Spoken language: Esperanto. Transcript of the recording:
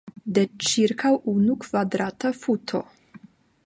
De ĉirkaŭ unu kvadrata futo.